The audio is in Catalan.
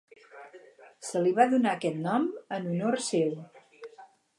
Se li va donar aquest nom en honor seu.